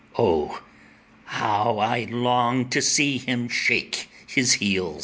O, how I long to see him shake his heels!